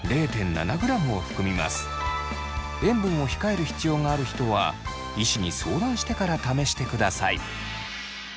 塩分を控える必要がある人は医師に相談してから試してください。